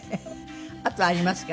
あとありますか？